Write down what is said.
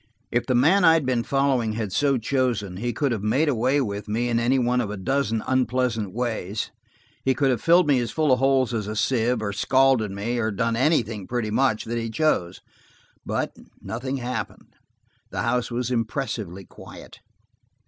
If the man I had been following had so chosen, he could have made away with me in any one of a dozen unpleasant ways–he could have filled me as full of holes as a sieve, or scalded me, or done anything, pretty much, that he chose. But nothing happened. The house was impressively quiet.